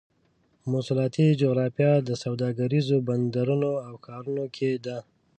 مواصلاتي جغرافیه د سوداګریزو بندرونو او ښارونو کې ده.